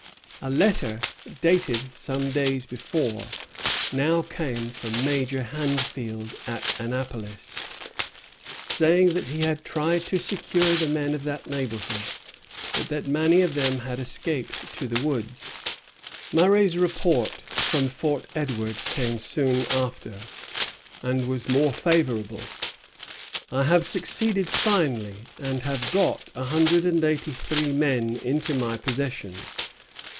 A letter, dated some days before, now came from Major Handfield at Annapolis, saying that he had tried to secure the men of that neighborhood, but that many of them had escaped to the woods. Murray's report from Fort Edward came soon after, and was more favorable: "I have succeeded finely, and have got a hundred and eighty three men into my possession."